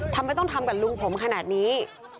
ทำไมต้องทำกับลุงผมขนาดนี้